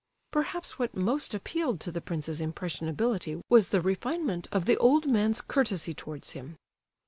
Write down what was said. Perhaps what most appealed to the prince's impressionability was the refinement of the old man's courtesy towards him.